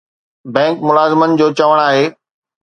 bank ملازمن جو چوڻ آهي